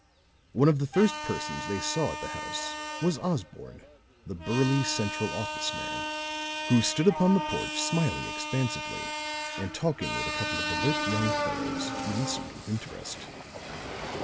One of the first persons they saw at the house was Osborne, the burly central office man, who stood upon the porch smiling expansively and talking with a couple of alert young fellows who listened with interest.